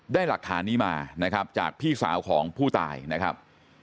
ได้หลักฐานนี้มานะครับจากพี่สาวของผู้ตายนะครับ